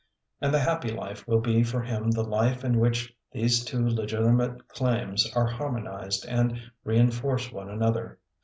And the happy life wiU be for him the life in which these two legitimate claims are harmonized and reenforce one an other.